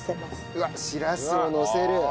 うわっしらすをのせる。